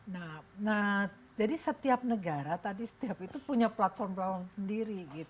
nah jadi setiap negara tadi setiap itu punya platform platform sendiri